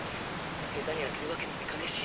下手に開けるわけにもいかねえし